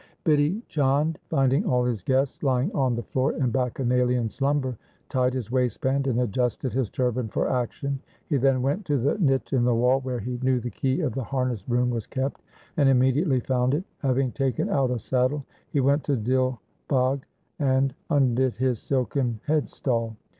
Bidhi Chand finding all his guests lying on the floor in Bacchanalian slumber tied his waistband and adjusted his turban for action. He then went to the niche in the wall where he knew the key of the harness room was kept and immediately found it. Having taken out a saddle he went to Dil Bagh and undid his silken headstall.